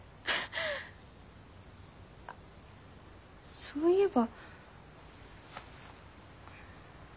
あそういえば。